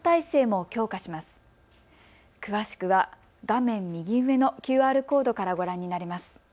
詳しくは画面右上のＱＲコードからご覧になれます。